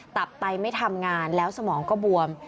ตับไตไม่ทำงานแล้วสมองก็บวม